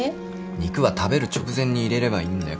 肉は食べる直前に入れればいいんだよ。